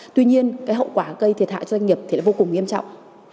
tuy nhiên hậu quả gây thiệt hại cho doanh nghiệp vô cùng nghiêm trọng